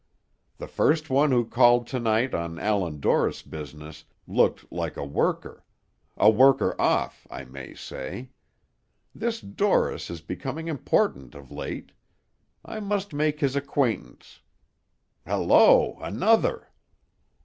The first one who called to night on Allan Dorris business looked like a worker; a worker off, I may say. This Dorris is becoming important of late. I must make his acquaintance. Hello! Another!"